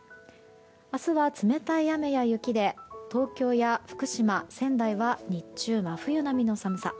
明日は冷たい雨や雪で東京や福島、仙台は日中、真冬並みの寒さ。